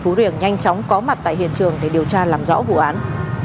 anh đoàn kim vương đã nhanh chóng có mặt tại hiện trường để điều tra làm rõ vụ án